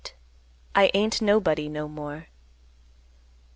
I AIN'T NOBODY NO MORE.